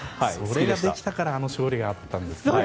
それができたからあの勝利があったんだ。